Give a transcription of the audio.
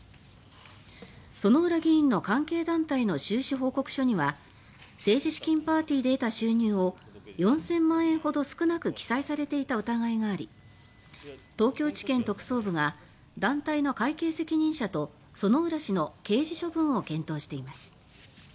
薗浦議員の関係団体の収支報告書には政治資金パーティーで得た収入を４０００万円ほど少なく記載されていた疑いがあり東京地検特捜部が団体の会計責任者と薗浦氏の刑事処分を検討しています。